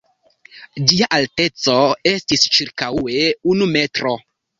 Ĝia alteco estis ĉirkaŭe unu metro.